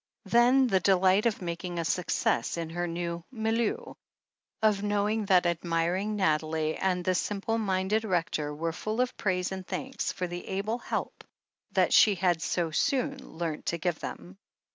Then the delight of making a success in her new tnilieu^ oi knowing that admiring Nathalie and the simple minded Rector were full of praise and thanks for the able help that she had so soon learnt to give them.